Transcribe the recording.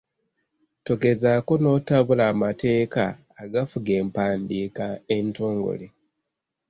Togezaako n'otabula amateeka agafuga empandiika entongole.